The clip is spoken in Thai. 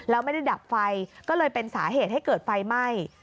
แล้วไม่ได้ดับไฟก็เลยเป็นสาเหตุให้เกิดไฟไหม้